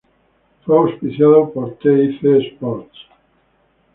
Fue auspiciado por TyC Sports.